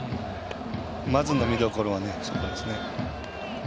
まずの見どころはそこですね。